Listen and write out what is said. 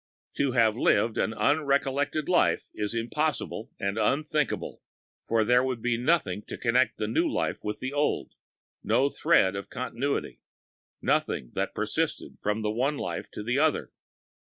To have lived an unrecollected life is impossible and unthinkable, for there would be nothing to connect the new life with the old—no thread of continuity—nothing that persisted from the one life to the other.